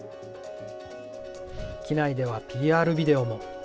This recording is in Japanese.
機内ではＰＲビデオも。